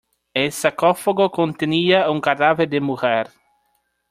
El sarcófago contenía un cadáver de mujer.